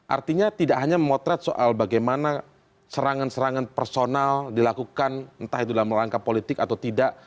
artinya tidak hanya memotret soal bagaimana serangan serangan personal dilakukan entah itu dalam rangka politik atau tidak